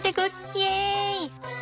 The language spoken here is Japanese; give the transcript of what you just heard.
イエイ！